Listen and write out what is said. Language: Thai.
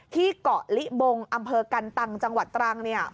ที่เกาะลิบงอำเภอกันตังจังหวัดตรังเนี่ย